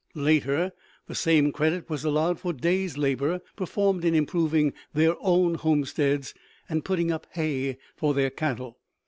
Later, the same credit was allowed for days' labor performed in improving their own homesteads and putting up hay for their cattle.